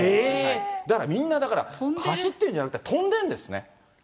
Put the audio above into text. だからみんな、だから走ってるんじゃなくて、跳んでんですね。